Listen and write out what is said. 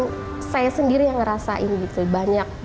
karena itu bukan saya sendiri yang ngerasain banyak